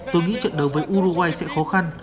tôi nghĩ trận đấu với uruguay sẽ khó khăn